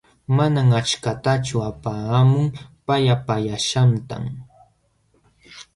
Manam achkatachu apaamun pallapaqllaśhqantam.